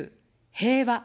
平和。